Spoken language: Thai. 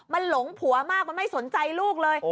มันหลงผัวมากมันไม่สนใจลูกเลย